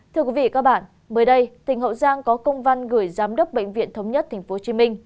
thưa quý vị và các bạn mới đây tỉnh hậu giang có công văn gửi giám đốc bệnh viện thống nhất tp hcm